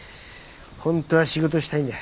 本当は仕事したいんだ。